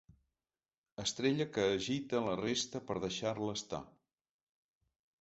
Estrella que agita la resta per deixar-la estar.